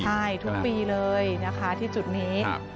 ใช่ทุกปีเลยนะคะที่จุดนี้